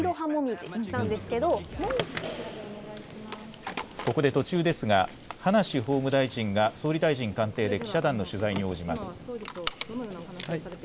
さらに、これ、詳しく言うとここで途中ですが、葉梨法務大臣が総理大臣官邸で、記者団の取材に応じます。